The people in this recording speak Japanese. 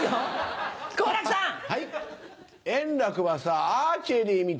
はい。